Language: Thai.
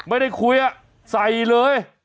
ไม่ได้คุยใส่เลย